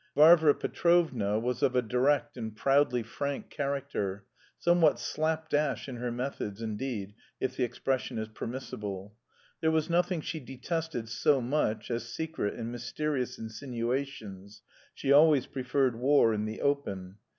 Varvara Petrovna was of a direct and proudly frank character, somewhat slap dash in her methods, indeed, if the expression is permissible. There was nothing she detested so much as secret and mysterious insinuations, she always preferred war in the open.